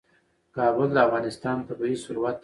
کابل د افغانستان طبعي ثروت دی.